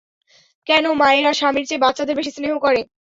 কেন মায়েরা স্বামীর চেয়ে বাচ্চাদের বেশি স্নেহ করে?